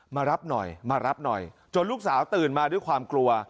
มารับหน่อยมารับหน่อยจนลูกสาวตื่นมาด้วยความกลัว